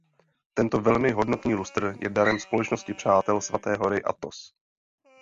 Tento velmi hodnotný lustr je darem společnosti Přátel svaté Hory Athos.